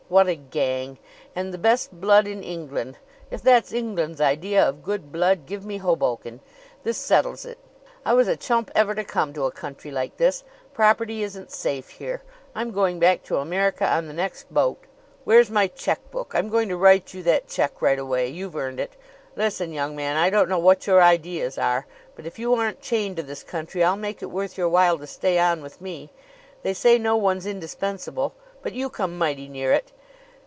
What a gang! And the best blood in England! If that's England's idea of good blood give me Hoboken! This settles it. I was a chump ever to come to a country like this. Property isn't safe here. I'm going back to America on the next boat. "Where's my check book? I'm going to write you that check right away. You've earned it. Listen, young man; I don't know what your ideas are, but if you aren't chained to this country I'll make it worth your while to stay on with me. They say no one's indispensable, but you come mighty near it.